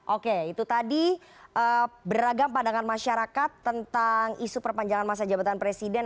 oke itu tadi beragam pandangan masyarakat tentang isu perpanjangan masa jabatan presiden